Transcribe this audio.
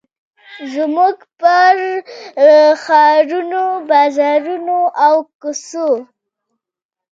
زموږ پر ښارونو، بازارونو، او کوڅو